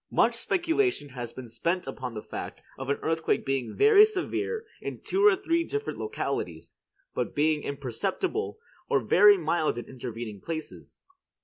Much speculation has been spent upon the fact of an earthquake being very severe in two or three different localities, but being imperceptible or very mild in intervening places.